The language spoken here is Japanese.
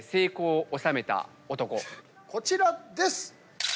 こちらです！